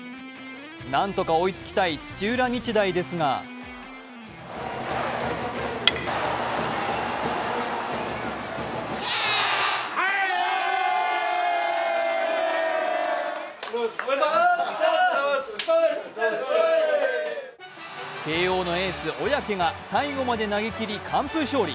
なんとか追いつきたい土浦日大ですが慶応のエース・小宅が最後まで投げ切り完封勝利。